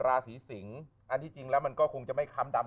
แบบพื้นของพราสีสิงอันที่จริงแล้วมันก็คงจะไม่คล้ำดำ